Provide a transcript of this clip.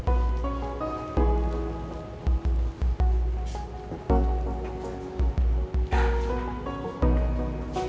aku akan mencari yang lebih baik untukmu